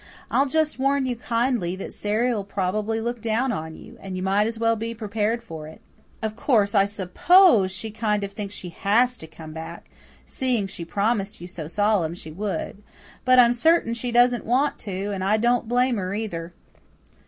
I'll just warn you kindly that Sary'll probably look down on you, and you might as well be prepared for it. Of course, I suppose she kind of thinks she has to come back, seeing she promised you so solemn she would. But I'm certain she doesn't want to, and I don't blame her either."